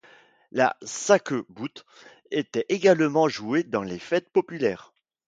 La sacqueboute était également jouée dans les fêtes populaires.